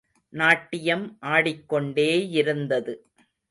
நாட்டியம் ஆடிக்கொண்டே யிருந்தது.